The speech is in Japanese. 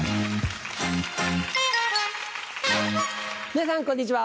皆さんこんにちは。